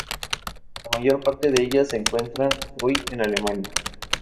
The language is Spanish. La mayor parte de ellas se encuentran hoy en Alemania.